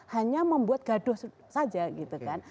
hanya membuat gaduh saja gitu kan